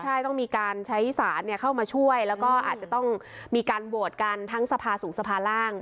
ใช่ต้องมีการใช้สารเข้ามาช่วยแล้วก็อาจจะต้องมีการโหวตกันทั้งสภาสูงสภาร่าง